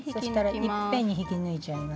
いっぺんに引き抜いちゃいます？